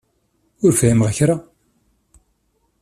Ur fhimeɣ kra.